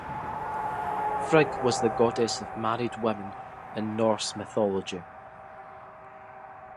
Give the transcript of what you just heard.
Frigg was the goddess of married women, in Norse mythology.